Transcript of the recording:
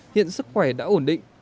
hiện sức khỏe đã ổn định